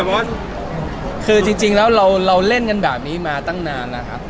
ชอบหรอชอบคือจริงจริงแล้วเราเราเล่นกันแบบนี้มาตั้งนานนะครับ